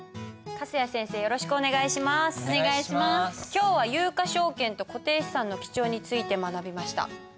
今日は有価証券と固定資産の記帳について学びました。